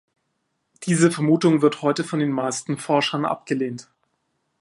Diese Vermutung wird heute von den meisten Forschern abgelehnt.